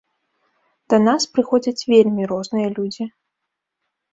Да нас прыходзяць вельмі розныя людзі.